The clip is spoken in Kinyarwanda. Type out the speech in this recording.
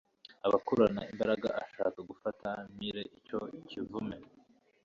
amukururana imbaraga ashaka gufata mpiri icyo kivume